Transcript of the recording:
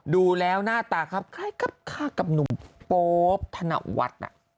ดูแล้วหน้าตาคล้ายกับหนุ่มโป๊ปถนวัฒน์น่ะ